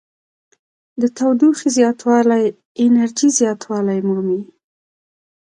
د تودوخې زیاتوالی انرژي زیاتوالی مومي.